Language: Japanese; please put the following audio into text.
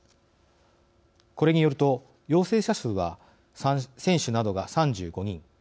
これによると陽性者数は選手などが３５人。